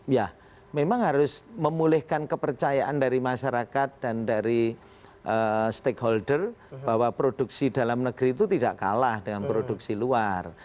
ya memang harus memulihkan kepercayaan dari masyarakat dan dari stakeholder bahwa produksi dalam negeri itu tidak kalah dengan produksi luar